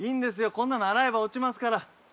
こんなの洗えば落ちますから。